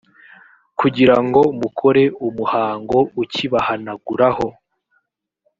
kugira ngo mukore umuhango ukibahanaguraho.